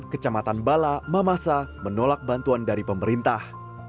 kecamatan bala mamasa menolak bantuan dari pemerintah